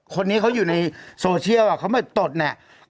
คนนี้เขาอยู่ในโซเชียลเขามาตดเนี่ย